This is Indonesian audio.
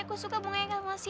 aku suka bunganya yang kamu kasih